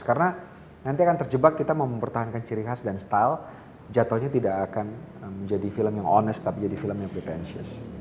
karena nanti akan terjebak kita mempertahankan ciri khas dan style jatohnya tidak akan menjadi film yang honest tapi menjadi film yang pretentious